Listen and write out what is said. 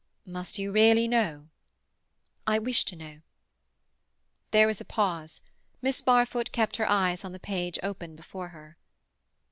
"Must you really know?" "I wish to know." There was a pause. Miss Barfoot kept her eyes on the page open before her.